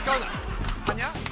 はにゃ？